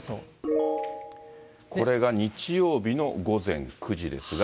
これが日曜日の午前９時ですが。